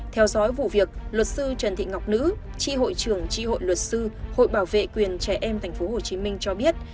theo dõi vụ việc luật sư trần thị ngọc nữ tri hội trưởng tri hội luật sư hội bảo vệ quyền trẻ em tp hcm cho biết